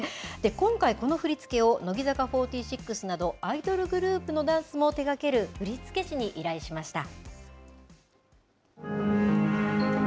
今回、この振り付けを、乃木坂４６など、アイドルグループのダンスも手がける振り付け師に依頼しました。